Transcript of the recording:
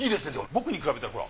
僕に比べたらほら。